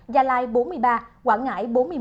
gia lai bốn mươi ba quảng ngãi bốn mươi một